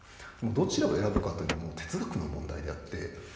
どちらを選ぶかというのは哲学の問題であって。